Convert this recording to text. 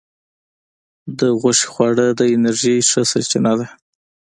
د غوښې خواړه د انرژی ښه سرچینه ده.